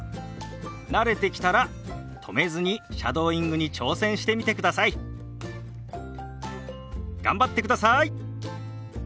慣れてきたら止めずにシャドーイングに挑戦してみてください。頑張ってください！